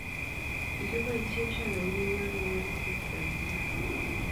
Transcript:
Kikiboisie shokait nino kebare chepto nino